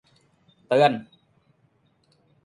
เตือน !